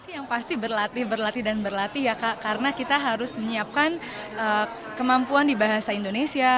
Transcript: yang pasti berlatih berlatih dan berlatih ya kak karena kita harus menyiapkan kemampuan di bahasa indonesia